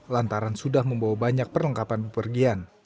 lantaran sudah membawa banyak perlengkapan pepergian